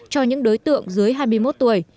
cho những đối tượng dưới hai mươi một tuổi